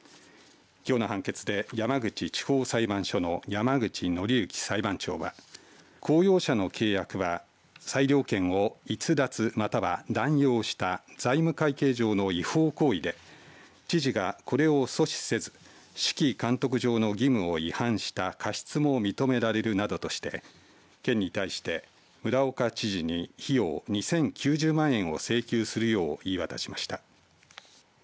きょうの判決で山口地方裁判所の山口格之裁判長は公用車の契約は裁量権を逸脱、または乱用した財務会計上の違法行為で知事が、これを阻止せず指揮、監督上の義務を違反した過失も認められるなどとして県に対して村岡知事に費用２０９０万円を請求するよう言い渡しました。